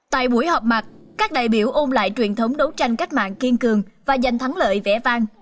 tại buổi họp mặt các đại biểu ôm lại truyền thống đấu tranh cách mạng kiên cường và giành thắng lợi vẽ vang